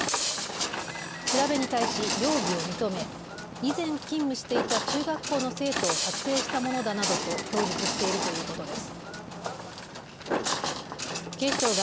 調べに対し容疑を認め以前、勤務していた中学校の生徒を撮影したものだなどと供述しているということです。